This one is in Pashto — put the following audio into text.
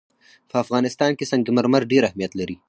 په افغانستان کې سنگ مرمر ډېر اهمیت لري.